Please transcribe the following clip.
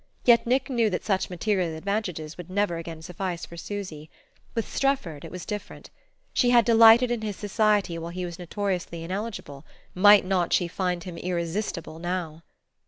Yet Nick knew that such material advantages would never again suffice for Susy. With Strefford it was different. She had delighted in his society while he was notoriously ineligible; might not she find him irresistible now?